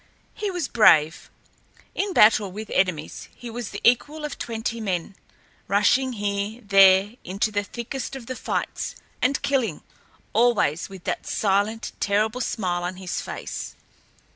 He was brave. In battle with enemies he was the equal of twenty men, rushing here, there, into the thickest of the fights, and killing always with that silent, terrible smile on his face.